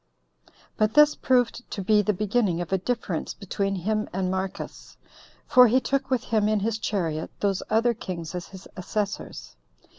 But this proved to be the beginning of a difference between him and Marcus; for he took with him in his chariot those other kings as his assessors.